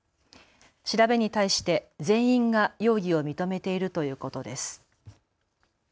調べに対して全員が容疑を認めているということです。